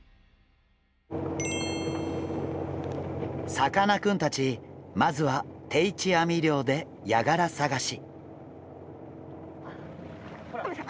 さかなクンたちまずは定置網漁でヤガラ探し。